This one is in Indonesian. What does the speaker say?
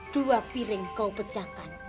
dua piring kau pecahkan